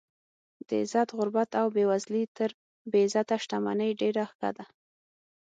د عزت غربت او بې وزلي تر بې عزته شتمنۍ ډېره ښه ده.